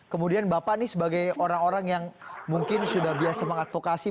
kemudian bapak ini sebagai orang orang yang mungkin sudah biasa mengadvokasi